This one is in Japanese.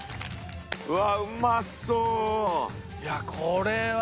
うわあうまそう！